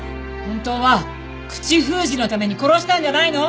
本当は口封じのために殺したんじゃないの？